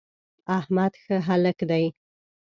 احمد ښه هلک دی.